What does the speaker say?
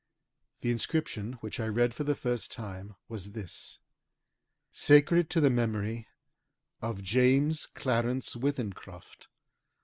The inscription which I read for the first time was this SACRED TO THE MEMORY OF JAMES CLARENCE WITHENCROFT.